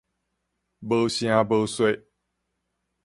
無聲無說